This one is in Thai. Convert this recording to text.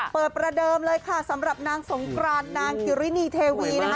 ประเดิมเลยค่ะสำหรับนางสงกรานนางจิรินีเทวีนะคะ